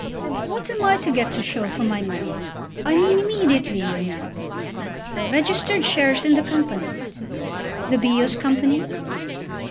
"What am I to get to show for my money; I mean immediately, you know?" "Registered shares in the Company." "The Bios Company?"